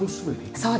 そうです。